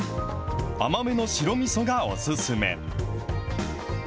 甘めの白みそがお薦め。